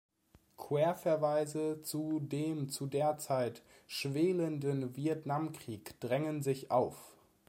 Querverweise zu dem zu der Zeit schwelenden Vietnamkrieg drängen sich auf.